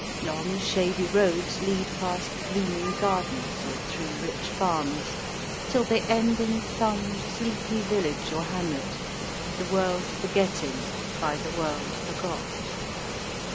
Long shady roads lead past blooming gardens or through rich farms, till they end in some sleepy village or hamlet, the world forgetting, by the world forgot.